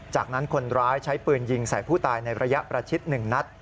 จากนั้นคนร้ายใช้ปืนยิงใส่ผู้ตายในระยะประชิด๑นัด